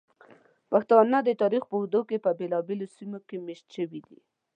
پښتانه د تاریخ په اوږدو کې په بېلابېلو سیمو کې میشت شوي دي.